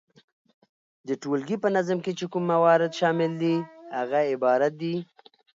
د ټولګي په نظم کي چي کوم موارد شامل دي هغه عبارت دي،